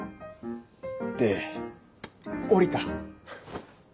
で降りた。